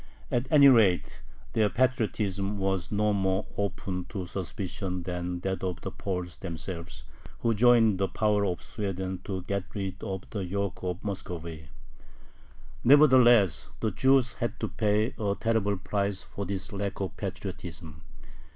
At any rate, their patriotism was no more open to suspicion than that of the Poles themselves, who joined the power of Sweden to get rid of the yoke of Muscovy. Nevertheless, the Jews had to pay a terrible price for this lack of patriotism.